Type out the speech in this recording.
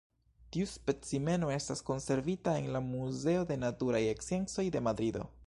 Tiu specimeno estas konservita en la Muzeo de Naturaj Sciencoj de Madrido.